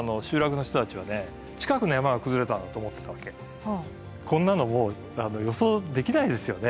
当初はこんなのもう予想できないですよね。